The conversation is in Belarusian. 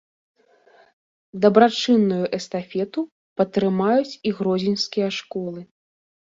Дабрачынную эстафету падтрымаюць і гродзенскія школы.